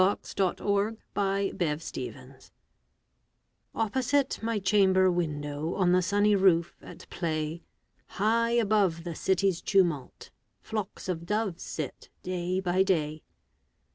Louisa May Alcott My Doves OPPOSITE my chamber window, On the sunny roof, at play, High above the city's tumult, Flocks of doves sit day by day.